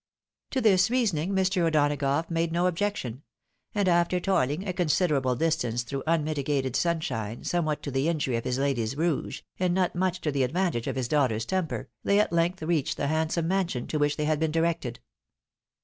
To this reasoning Mr. O'Donagotigh made no objection; and after toiUng a considerable distance through unmitigated sun shine, somewhat to the injury of his lady's rouge, and not much to the advantage of his daughter's temper, they at length reached the handsome mansion to which they had been directed.